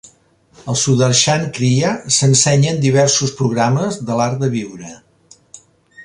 El Sudarshan Kriya s'ensenya en diversos programes de l'Art de viure.